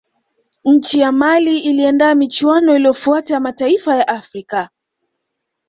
nchi ya mali iliandaa michuano iliyofuata ya mataifa ya afrika